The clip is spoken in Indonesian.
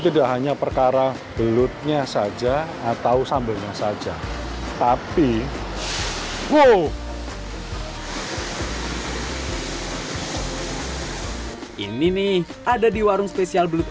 tidak hanya perkara belutnya saja atau sambalnya saja tapi wow ini nih ada di warung spesial belut